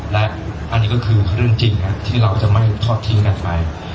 และอันนี้ก็คือเรื่องจริงที่เราจะไม่ทอดทิ้งกันไป